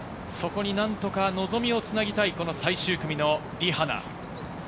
そこになんとか望みをつなぎたい、この最終組のリ・ハナ。